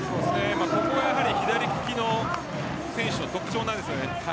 ここは、やはり左利きの選手の特徴なんです。